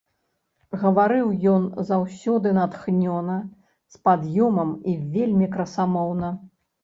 Гаварыў ён заўсёды натхнёна, з пад'ёмам і вельмі красамоўна.